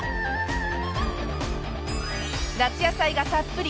夏野菜がたっぷり！